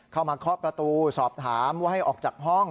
เคาะประตูสอบถามว่าให้ออกจากห้อง